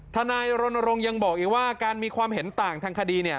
ทนายรณรงค์ยังบอกอีกว่าการมีความเห็นต่างทางคดี